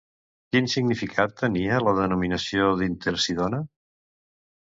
Quin significat tenia la denominació d'Intercidona?